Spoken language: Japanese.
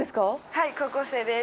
はい高校生です。